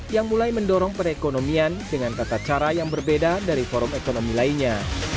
yang mulai mendorong perekonomian dengan tata cara yang berbeda dari forum ekonomi lainnya